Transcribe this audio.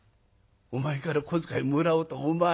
お前から小遣いもらおうと思わないやな。